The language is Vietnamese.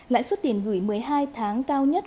lãi suất tiền gửi một mươi hai tháng cao nhất